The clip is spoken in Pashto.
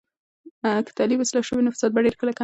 که تعلیم اصلاح شوي وي، نو فساد به ډیر کله کم شي.